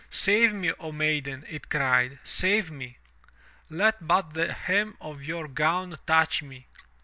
'Save me, O maiden!' it cried, 'save me! Let but the hem of your gown touch me.